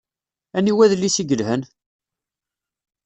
Aniwi adlis i yelhan?